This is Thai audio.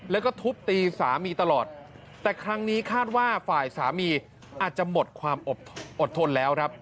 แล้วก็ทุบตีสามีตลอดแต่ครั้งนี้คาดว่าฝ่ายสามีอาจจะหมดความอดทนแล้วครับ